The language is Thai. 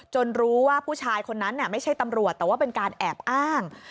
รู้ว่าผู้ชายคนนั้นไม่ใช่ตำรวจแต่ว่าเป็นการแอบอ้าง